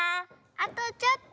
あとちょっと。